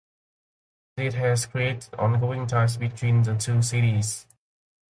This has created ongoing ties between the two cities.